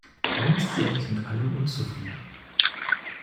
Warum ist sie eigentlich mit allem unzufrieden?